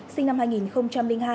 sinh năm hai nghìn hai